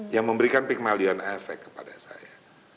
yang memberikan pygmalion effect kepada saya